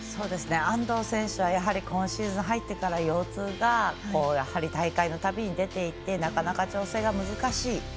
安藤選手はやはり今シーズン入ってから腰痛が大会のたびに出ていてなかなか調整が難しい。